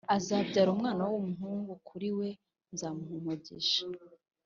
Azabyara umwana w’umuhungu kuri we nzamuha umugisha